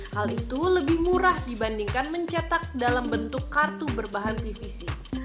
hal itu lebih murah dibandingkan mencetak dalam bentuk kartu berbahan pvc